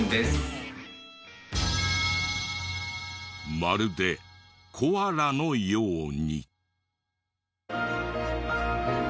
まるでコアラのように。